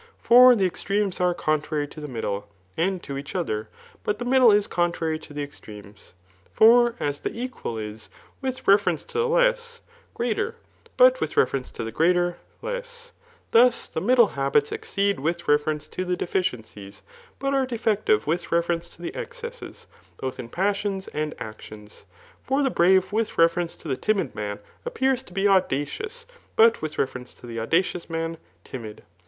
For the extremes are contrary to the middle, and to each other, but the middle is contrary to the extremes. For as the equal is, with reference to the less, greater, but with reference to the greater, less ; thus the middle habits exceed with refi^ence to the defi ciaicies, but are defective with reference to the excesses, both in pas^ons ami actions. For the brave with refer tnce to the timid man appears to be audacious, but with reference to the audacious man, timid.